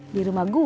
di rumah gua